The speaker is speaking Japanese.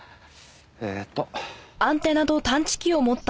えっと。